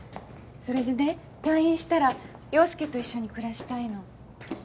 それでね退院したら陽佑と一緒に暮らしたいの。